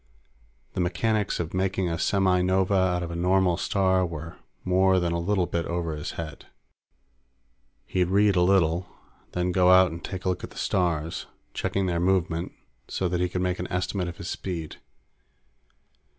The mechanics of making a semi nova out of a normal star were more than a little bit over his head. He'd read a little and then go out and take a look at the stars, checking their movement so that he could make an estimate of his speed.